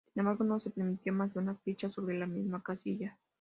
Sin embargo no se permite más de una ficha sobre la misma casilla.